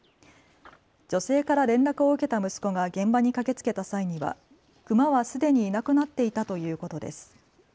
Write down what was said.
女性から連絡を受けた息子が現場に駆けつけた際にはクマはすでにいなくなっていたということです。